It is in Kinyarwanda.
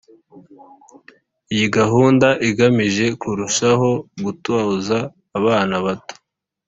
iyi gahunda igamije kurushaho gutoza abana bato